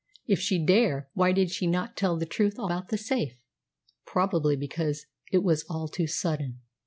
If she dare, why did she not tell the truth about the safe?" "Probably because it was all too sudden.